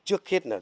trước hết là đúng